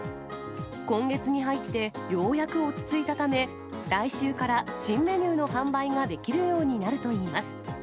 今月に入って、ようやく落ち着いたため、来週から新メニューの販売ができるようになるといいます。